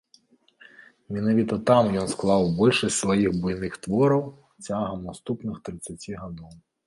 Менавіта там ён склаў большасць сваіх буйных твораў цягам наступных трыццаці гадоў.